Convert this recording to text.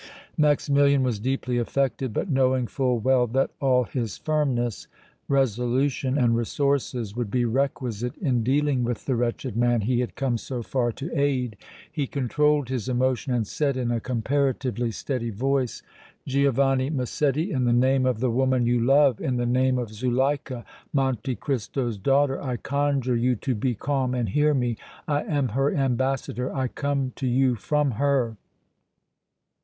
Maximilian was deeply affected, but, knowing full well that all his firmness, resolution and resources would be requisite in dealing with the wretched man he had come so far to aid, he controlled his emotion and said, in a comparatively steady voice: "Giovanni Massetti, in the name of the woman you love, in the name of Zuleika, Monte Cristo's daughter, I conjure you to be calm and hear me. I am her ambassador, I come to you from her!"